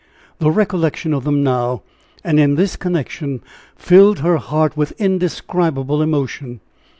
The recollection of them now, and in this connection, filled her heart with indescribable emotion.